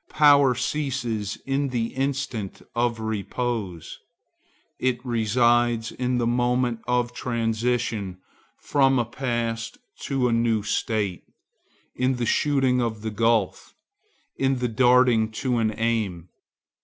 Power ceases in the instant of repose; it resides in the moment of transition from a past to a new state, in the shooting of the gulf, in the darting to an aim.